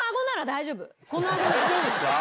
大丈夫っすか？